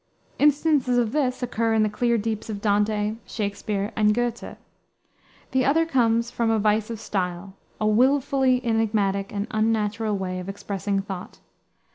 Instances of this occur in the clear deeps of Dante, Shakspere, and Goethe. The other comes from a vice of style, a willfully enigmatic and unnatural way of expressing thought.